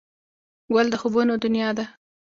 ګل د خوبونو دنیا ده.